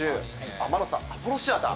マナトさん、アポロシアター。